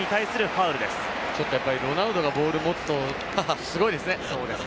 ロナウドがボールを持つとすごいですね。